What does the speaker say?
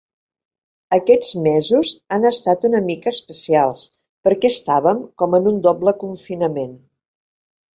Aquests mesos han estat una mica especials, perquè estàvem com en un doble confinament.